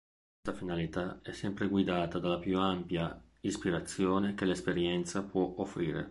Questa finalità è sempre guidata dalla più ampia ispirazione che l’esperienza può offrire.